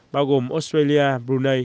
bao gồm australia brunei